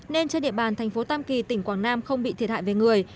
nên trên địa bàn thành phố tam kỳ tỉnh quảng nam không bị thiệt hại về người